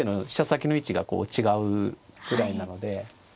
先の位置が違うぐらいなので。